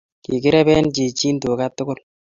Ki kirep chichiin tuuga tugul.